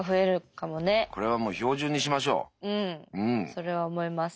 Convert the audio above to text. それは思います。